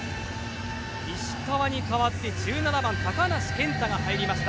石川に代わって１７番、高梨健太が入りました。